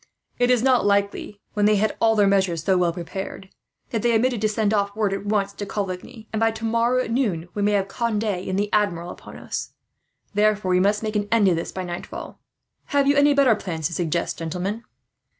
It is not likely, when they had all their measures so well prepared, that they omitted to send off word at once to Coligny; and by tomorrow, at noon, we may have Conde and the Admiral upon us. Therefore we must make an end of this, by nightfall. "Have you any better plans to suggest, gentlemen?"